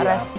eh orang itu